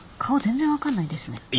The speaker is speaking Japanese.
顔全然分かんないですね。